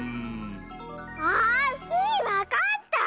あ！スイわかった！